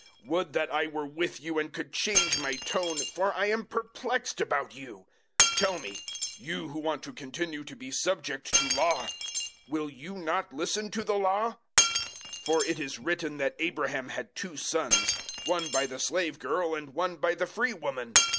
004:020 Would that I were with you and could change my tone, for I am perplexed about you. 004:021 Tell me you who want to continue to be subject to Law will you not listen to the Law? 004:022 For it is written that Abraham had two sons, one by the slave girl and one by the free woman.